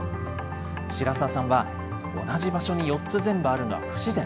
白澤さんは、同じ場所に４つ全部あるのは不自然。